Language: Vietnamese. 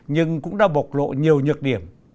nhưng cũng đã bộc lộ nhiều nhược điểm